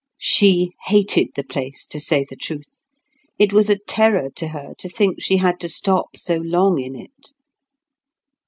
She hated the place, to say the truth; it was a terror to her to think she had to stop so long in it.